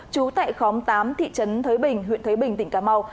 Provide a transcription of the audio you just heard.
trú tại khóm tám thị trấn thới bình huyện thới bình tỉnh cà mau